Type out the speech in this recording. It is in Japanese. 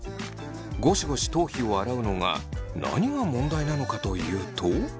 ゴシゴシ頭皮を洗うのが何が問題なのかというと。